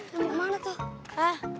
yang mana tuh